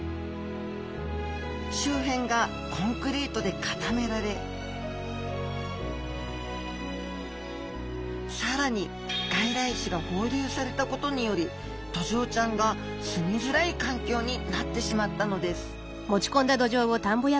周辺がコンクリートで固められ更に外来種が放流されたことによりドジョウちゃんが住みづらい環境になってしまったのです